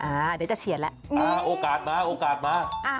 อ่าเดี๋ยวจะเฉียดแล้วโอกาสมาโอกาสมา